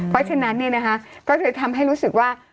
เพราะฉะนั้นเนี่ยนะคะก็จะทำให้รู้สึกว่า